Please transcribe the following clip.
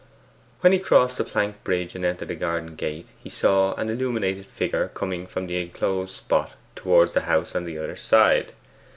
When he crossed the plank bridge and entered the garden gate, he saw an illuminated figure coming from the enclosed plot towards the house on the other side.